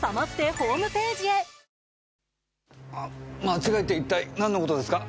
間違いって一体何の事ですか？